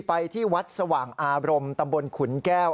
ไปที่วัดสว่างอารมณ์ตำบลขุนแก้ว